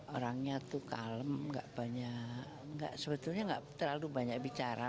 orangnya itu kalem tidak banyak sebetulnya tidak terlalu banyak bicara